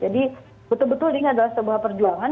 jadi betul betul ini adalah sebuah perjuangan